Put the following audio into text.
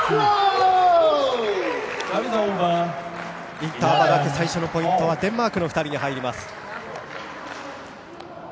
インターバル明けの最初のポイントはデンマークの２人に入ります。